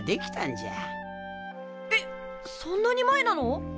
えっそんなに前なの！？